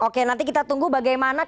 oke nanti kita tunggu bagaimana